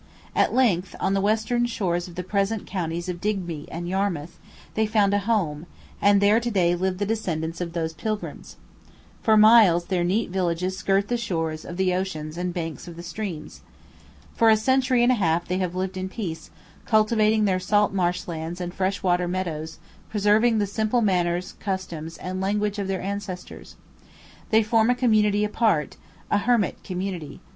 At length, on the western shores of the present counties of Digby and Yarmouth, they found a home, and there to day live the descendants of these pilgrims. For miles their neat villages skirt the shores of the ocean and the banks of the streams. For a century and a half they have lived in peace, cultivating their salt marsh lands and fresh water meadows, preserving the simple manners, customs, and language of their ancestors. They form a community apart, a hermit community.